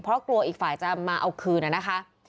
เพราะกลัวอีกฝ่ายจะมาเอาคืนนะคะ